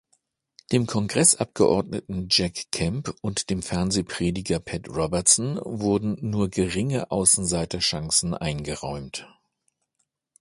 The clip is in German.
Dem Kongressabgeordneten Jack Kemp und dem Fernsehprediger Pat Robertson wurden nur geringe Außenseiterchancen eingeräumt.